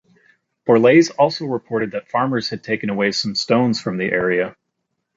Borlase also reported that farmers had taken away some stones from the area.